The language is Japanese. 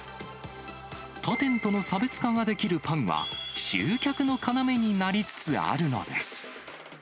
他店との差別化ができるパンは、集客の要になりつつあるのです。